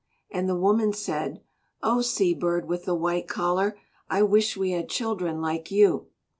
And the woman said, "Oh, sea bird with the white collar, I wish we had children like you."